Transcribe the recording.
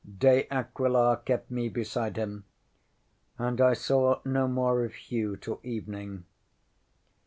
ŌĆśDe Aquila kept me beside him, and I saw no more of Hugh till evening.